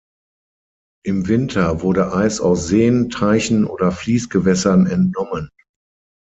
Im Winter wurde Eis aus Seen, Teichen oder Fließgewässern entnommen.